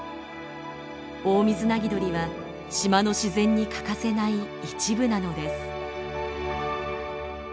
オオミズナギドリは島の自然に欠かせない一部なのです。